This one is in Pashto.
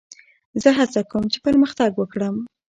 زه هڅه کوم، چي پرمختګ وکړم.